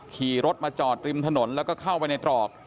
ขี่รถมาจอดริมถนนแล้วก็เข้าไปในตรอก